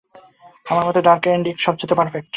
আমার মতে ডার্কের এন্ডিং সবচেয়ে পারফেক্ট।